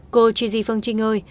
cô gigi phương trinh ơi